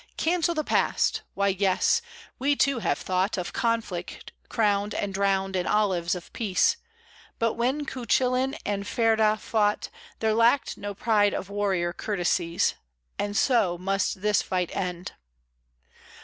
Cancel the past! Why, yes! We, too, have thought Of conflict crowned and drowned in olives of peace; But when Cuchullin and Ferdiadh fought There lacked no pride of warrior courtesies, And so must this fight end.